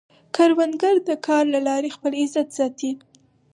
کروندګر د کار له لارې خپل عزت ساتي